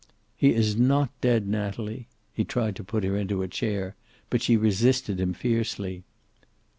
"He is not dead, Natalie." He tried to put her into a chair, but she resisted him fiercely.